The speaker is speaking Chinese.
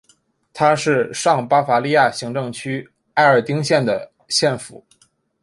它是上巴伐利亚行政区埃尔丁县的县府。